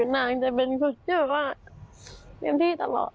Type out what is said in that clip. นางจะคือเป็นคนเต็มที่ตลอด